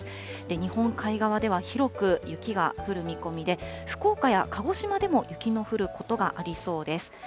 日本海側では広く雪が降る見込みで、福岡や鹿児島でも雪の降ることがありそうです。